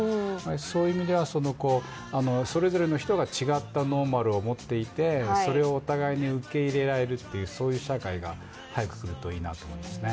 そういう意味ではそれぞれの人が違ったノーマルを持っていてそれをお互いに受け入れられるという社会が早く来るといいなと思いますね。